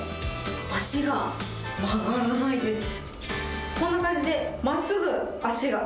足が曲がらないです。